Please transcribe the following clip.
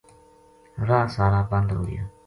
راہ سارا بند ہو گیا